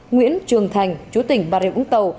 nguyễn trường thành chú tỉnh bà rịa úng tàu